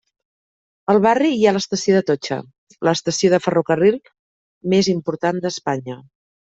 Al barri hi ha l'Estació d'Atocha, l'estació de ferrocarril més important d'Espanya.